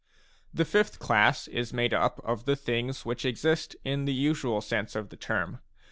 The fifth class is made up of the things which exist in the usual sense of the term.